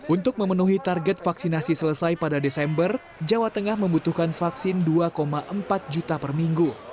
untuk memenuhi target vaksinasi selesai pada desember jawa tengah membutuhkan vaksin dua empat juta per minggu